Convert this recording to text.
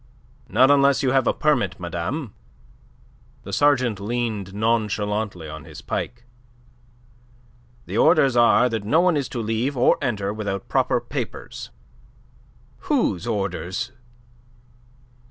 "Not unless you have a permit, madame." The sergeant leaned nonchalantly on his pike. "The orders are that no one is to leave or enter without proper papers." "Whose orders?"